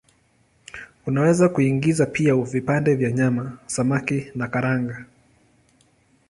Unaweza kuingiza pia vipande vya nyama, samaki na karanga.